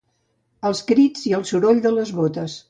Els crits i el soroll de les botes